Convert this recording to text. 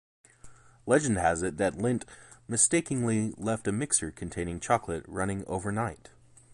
Legend has it that Lindt mistakenly left a mixer containing chocolate running overnight.